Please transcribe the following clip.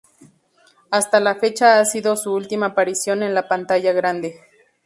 Hasta la fecha ha sido su última aparición en la pantalla grande.